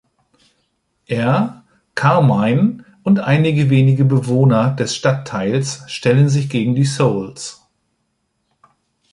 Er, Carmine und einige wenige Bewohner des Stadtteils stellen sich gegen die „Souls“.